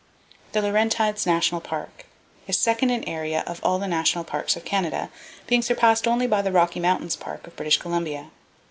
The Laurentides National Park is second in area of all the national parks of Canada, being surpassed only by the Rocky Mountains Park of British Columbia.